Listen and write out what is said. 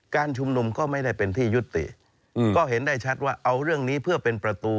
การชุมนุมก็ไม่ได้เป็นที่ยุติก็เห็นได้ชัดว่าเอาเรื่องนี้เพื่อเป็นประตู